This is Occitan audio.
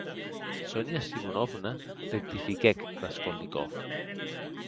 Sonia Simonovna, rectifiquèc Raskolnikov.